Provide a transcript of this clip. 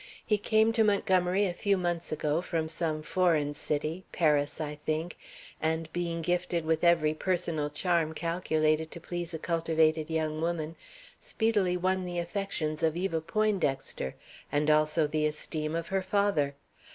He came to Montgomery a few months ago, from some foreign city Paris, I think and, being gifted with every personal charm calculated to please a cultivated young woman, speedily won the affections of Eva Poindexter, and also the esteem of her father.